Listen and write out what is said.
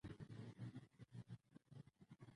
د خبرو ځواک کولای شي خلک یو موټی کړي.